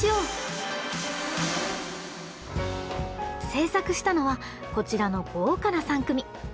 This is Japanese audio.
制作したのはこちらの豪華な３組！